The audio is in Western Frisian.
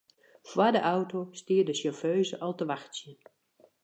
Foar de auto stie de sjauffeuze al te wachtsjen.